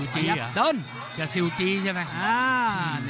ขยับเดิน